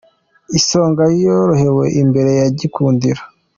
Isonga ntiyorohewe imbere ya gikundiro